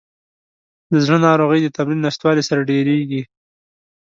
د زړه ناروغۍ د تمرین نشتوالي سره ډېریږي.